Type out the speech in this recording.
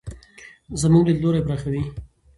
زموږ لیدلوری پراخوي.